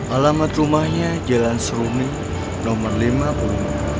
alamat rumahnya jalan serumi nomor lima puluh